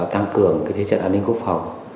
tăng cường cái thế chất an ninh quốc phòng